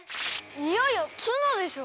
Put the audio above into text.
いやいやツナでしょ！？